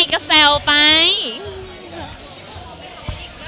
มันคิดว่าจะเป็นรายการหรือไม่มี